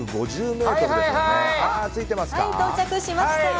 到着しました！